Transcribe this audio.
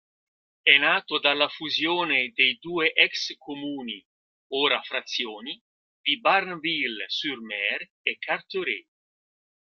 È nato dalla fusione dei due ex comuni, ora frazioni, di Barneville-sur-Mer e Carteret.